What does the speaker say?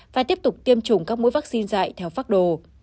và tiếp tục tiêm chủng các mũi vắc xin dạy theo pháp đồ